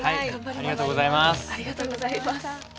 ありがとうございます。